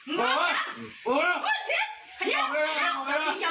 มันแฝงง่าย